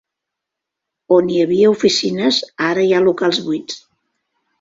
On hi havia oficines, ara hi ha locals buits.